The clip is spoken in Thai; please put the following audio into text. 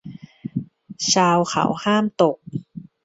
ชาวเขาห้ามตก